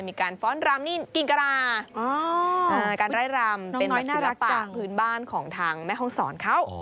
มีการฟ้อนรำกิจกรราการไร้รำเป็นแบบศิลปะพื้นบ้านของทางแม่ฮ่องศร